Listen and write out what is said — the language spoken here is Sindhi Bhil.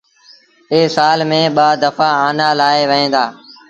اي سآل ميݩ ٻآ دڦآ آنآ لآوهيݩ دآ